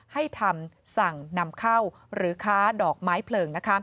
ให้ทำสั่งนำเข้าหรือค้าดอกไม้เพลิง